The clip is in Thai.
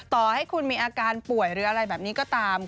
ต่อให้คุณมีอาการป่วยหรืออะไรแบบนี้ก็ตาม